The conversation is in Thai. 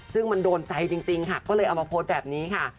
ซึ่งมันโดนใจจริงค่ะก็เลยเอามาโพสต์แบบนี้ค่ะ